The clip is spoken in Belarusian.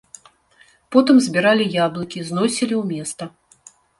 Потым збіралі яблыкі, зносілі ў места.